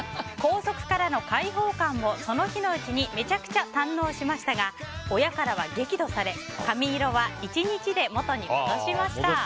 校則からの解放感をその日のうちにめちゃくちゃ堪能しましたが親からは激怒され髪色は１日で元に戻しました。